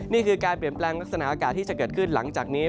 นี่คือการเปลี่ยนแปลงลักษณะอากาศที่จะเกิดขึ้นหลังจากนี้